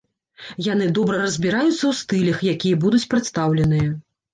Яны добра разбіраюцца ў стылях, якія будуць прадстаўленыя.